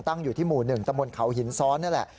ตั้งอยู่ที่หมู่๑ตะมนต์เขาหินซ้อนนั่นแหละ